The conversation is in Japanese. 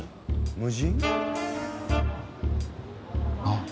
無人？あっ。